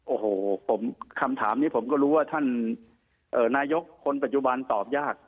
โอ้โหคำถามนี้ผมก็รู้ว่าท่านนายกคนปัจจุบันตอบยาก